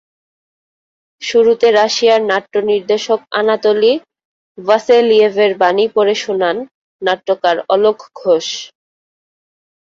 শুরুতে রাশিয়ার নাট্য নির্দেশক আনাতোলি ভাসেলিয়েভের বাণী পড়ে শোনান নাট্যকার অলক ঘোষ।